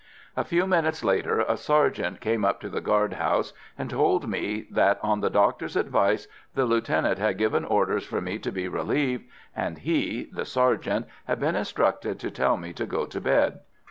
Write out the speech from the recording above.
A few minutes later a sergeant came up to the guard house and told me that, on the doctor's advice, the lieutenant had given orders for me to be relieved, and he (the sergeant) had been instructed to tell me to go to bed.